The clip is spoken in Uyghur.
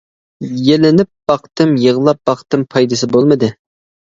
يېلىنىپ باقتىم، يىغلاپ باقتىم، پايدىسى بولمىدى.